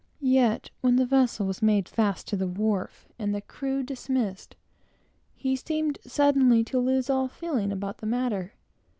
Yet when the vessel was made fast to the wharf and the crew dismissed, he seemed suddenly to lose all feeling about the matter.